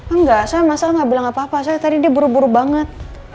enggak saya sama sal gak bilang apa apa saya tadi dia buru buru banget